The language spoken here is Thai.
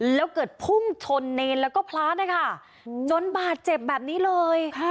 แล้วเกิดพุ่งชนเนรแล้วก็พระนะคะจนบาดเจ็บแบบนี้เลย